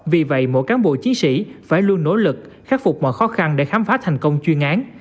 vì vậy mỗi cán bộ chiến sĩ phải luôn nỗ lực khắc phục mọi khó khăn để khám phá thành công chuyên án